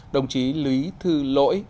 đồng chí lý thư lỗi